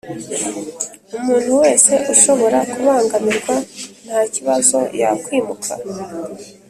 Umuntu wese ushobora kubangamirwa ntakibazo yakwimuka